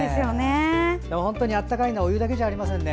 本当に温かいのはお湯だけじゃありませんね。